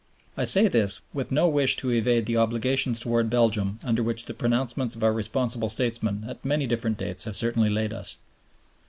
I say this with no wish to evade the obligations towards Belgium under which the pronouncements of our responsible statesmen at many different dates have certainly laid us.